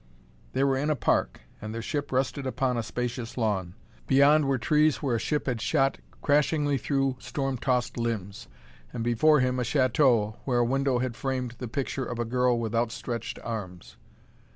They were in a park, and their ship rested upon a spacious lawn. Beyond were trees where a ship had shot crashingly through storm tossed limbs. And, before him, a chateau, where a window had framed the picture of a girl with outstretched arms.